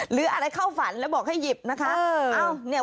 หรืออะไรเข้าฝันแล้วบอกให้หยิบนะคะเออเอ้าเนี่ย